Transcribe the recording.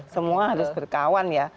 semua harus berkawan ya